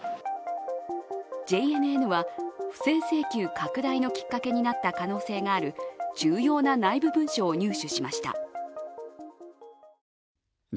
ＪＮＮは不正請求拡大のきっかけになった可能性がある重要な内部文書を入手しました。